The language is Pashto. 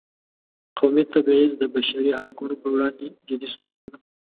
قومي تبعیض د بشري حقونو پر وړاندې جدي ستونزه ده.